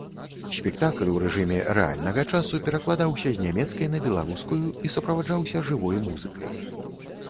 Спектакль у рэжыме рэальнага часу перакладаўся з нямецкай на беларускую і суправаджаўся жывой музыкай.